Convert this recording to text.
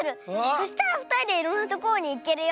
そしたらふたりでいろんなところにいけるよ。